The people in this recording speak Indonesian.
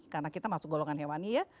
karena kita masuk golongan hewani ya